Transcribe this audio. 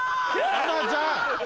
珠ちゃん。